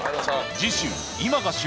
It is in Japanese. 次週今が旬